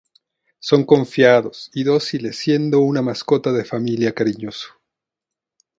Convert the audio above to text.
Son confiados y dóciles siendo una mascota de familia cariñoso.